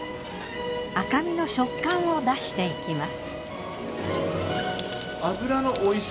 赤身の食感を出していきます。